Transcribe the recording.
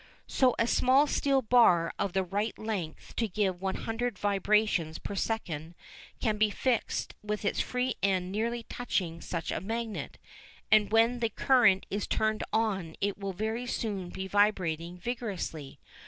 So a small steel bar of the right length to give 100 vibrations per second can be fixed with its free end nearly touching such a magnet, and when the current is turned on it will very soon be vibrating vigorously.